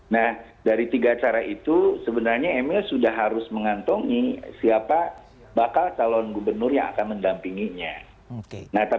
nah dari tiga cara itu sebenarnya emil sudah harus mencari penyelesaian